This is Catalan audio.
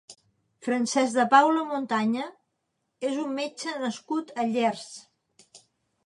Francesc de Paula Montaña és un metge nascut a Llers.